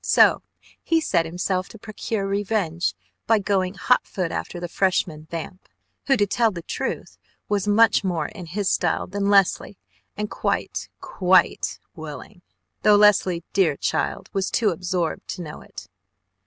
So he set himself to procure revenge by going hot foot after the Freshman "vamp" who, to tell the truth, was much more in his style than Leslie and quite, quite willing though Leslie, dear child, was too absorbed to know it.